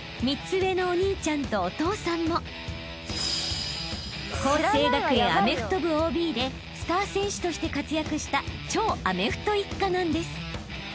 ［３つ上のお兄ちゃんとお父さんも佼成学園アメフト部ＯＢでスター選手として活躍した超アメフト一家なんです］